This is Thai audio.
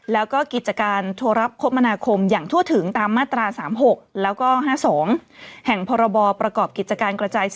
และกิจการธุระทัศน์พศ๒๕๕๑